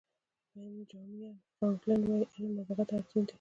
بینجامین فرانکلن وایي علم نابغه ته اړین دی.